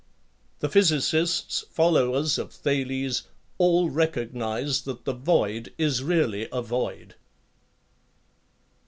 The physicists, followers of Thales, all recognise that the void is really a void.